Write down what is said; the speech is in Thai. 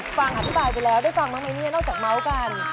ฟังอธิบายไปแล้วได้ฟังบ้างไหมเนี่ยนอกจากเมาส์กัน